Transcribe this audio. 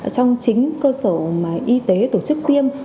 trong chính cơ sở y tế tổ chức tiêm